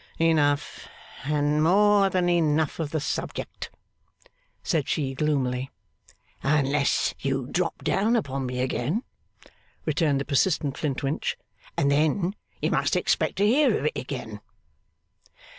'Enough and more than enough of the subject,' said she gloomily. 'Unless you drop down upon me again,' returned the persistent Flintwinch, 'and then you must expect to hear of it again.